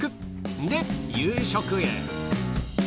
で、夕食へ。